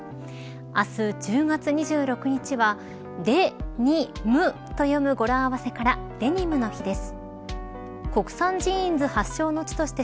明日１０月２６日はデニムと呼ぶ語呂合わせからデニムの日です。